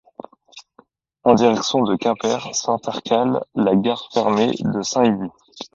En direction de Quimper s'intercale la gare fermée de Saint-Yvi.